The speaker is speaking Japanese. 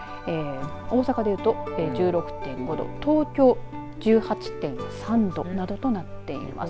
大阪で言うと１６．５度東京１８．３度などとなっています。